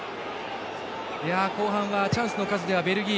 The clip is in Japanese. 後半はチャンスの数ではベルギー。